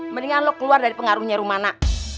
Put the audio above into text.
mendingan lo keluar dari pengaruhnya rumana